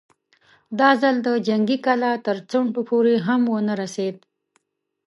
دا ځل د جنګي کلا تر څنډو پورې هم ونه رسېد.